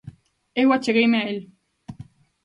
Eu achegueime a el;